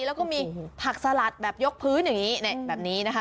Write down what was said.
แล้วก็มีผักสลัดแบบยกพื้นอย่างนี้แบบนี้นะคะ